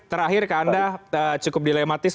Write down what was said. terakhir ke anda cukup dilematis